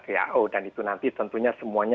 who dan itu nanti tentunya semuanya